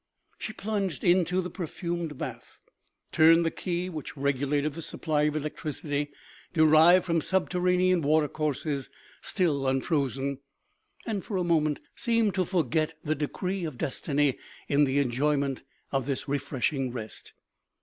She plunged into the perfumed bath, turned the key which regulated the supply of electricity derived from subterranean water courses still unfrozen, and for a moment seemed to forget the de cree of destiny in the enjoyment of this refreshing rest.